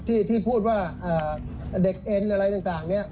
ที่พูดว่าเด็กเอ็นอะไรต่างเนี่ย